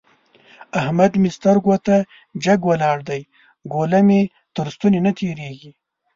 احمد مې سترګو ته جګ ولاړ دی؛ ګوله مې تر ستوني نه تېرېږي.